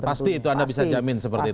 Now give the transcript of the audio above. pasti itu anda bisa jamin seperti itu